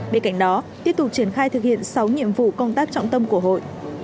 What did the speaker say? bên cạnh đó tiếp tục triển khai thực hiện sáu nhiệm vụ công tác trọng tâm của hội